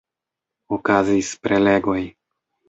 Okazis prelegoj.